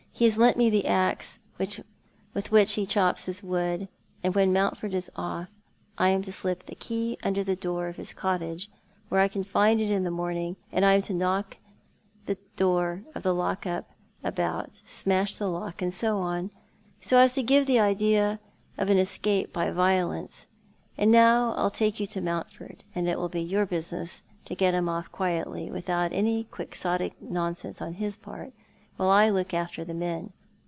has lent me the axe with which he chops his wood, and when Mountford is off I am to slip the key under the door of his cottage, where I can find it in the morning, and I am to knock the door of the lock up about, smash the lock, and so on, so as to give the idea of an escape by violence; and now I'll take you to Mountford, and it will be your business to get him off quietly, and without any Quixotic nonsense on his part, while I look after the men.